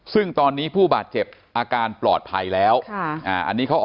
ซึ่งตอนนี้ผู้บาดเจ็บอาการปลอดภัยแล้วอันนี้เขาออก